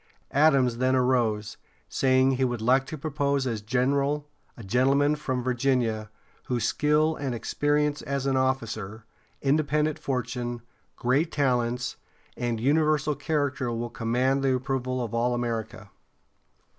Adams then arose, saying he would like to propose as general a gentleman from Virginia, whose "skill and experience as an officer, independent fortune, great talents, and universal character will command the approval of all America."